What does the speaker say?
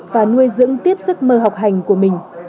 và nuôi dưỡng tiếp giấc mơ học hành của mình